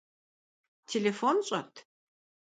Телефон щӏэт?